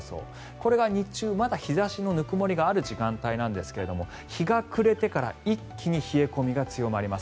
これがまだ日中日差しのぬくもりがある時間なんですが日が暮れてから一気に冷え込みが強まります。